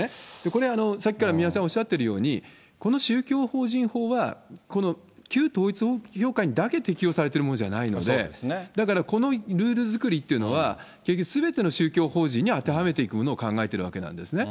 これ、さっきから宮根さんおっしゃっているように、この宗教法人法は、この旧統一教会にだけ適用されているものじゃないので、だから、このルール作りっていうのは、結局すべての宗教法人に当てはめていくものを考えているわけなんですね。